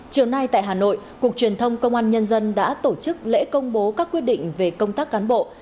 chiều nay tại hà nội cục truyền thông công an nhân dân đã tổ chức lễ công bố các quyết định về công tác cán bộ